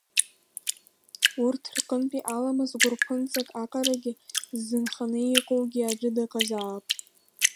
Урҭ рҟынтәи аламыс гәырԥынҵак аҟарагьы ззынханы иҟоугьы аӡәы дыҟазаап!